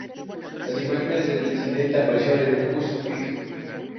Las imágenes del incidente aparecieron en "Us Weekly".